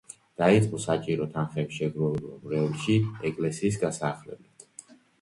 დაიწყო საჭირო თანხების შეგროვება მრევლში ეკლესიის გასაახლებლად.